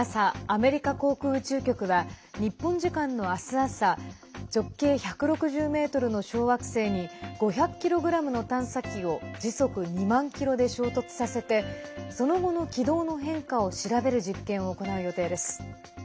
ＮＡＳＡ＝アメリカ航空宇宙局は日本時間の明日朝直径１６０ｍの小惑星に５００ｋｇの探査機を時速２万キロで衝突させてその後の軌道の変化を調べる実験を行う予定です。